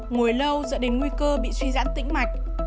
ngồi lâu dẫn đến nguy cơ bị suy giãn tĩnh mạch